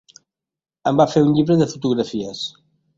En va fer un llibre de fotografies.